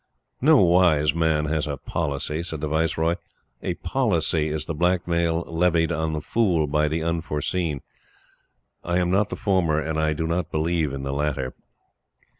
"No wise man has a policy," said the Viceroy. "A Policy is the blackmail levied on the Fool by the Unforeseen. I am not the former, and I do not believe in the latter."